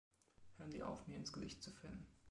Hören sie auf mir ins Gesicht zu filmen!